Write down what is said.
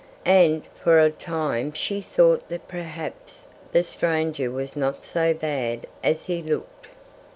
And for a time she thought that perhaps the stranger was not so bad as he looked.